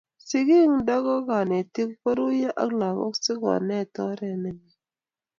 sikik ndako kanetik koruyo ak lakok sukonet oret nemiee